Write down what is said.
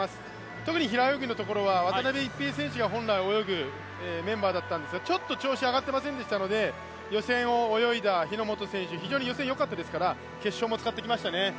特に平泳ぎのところは渡辺一平選手が本来泳ぐメンバーだったんですがちょっと調子上がってませんでしたので予選を泳いだ日本選手、非常に予選よかったですから決勝も使ってきましたね。